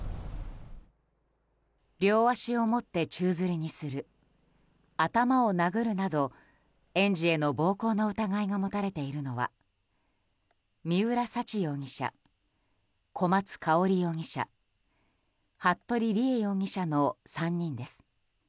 両足を持って宙づりにする頭を殴るなど園児への暴行の疑いが持たれているのは三浦沙知容疑者小松香織容疑者服部理江容疑者の３人です。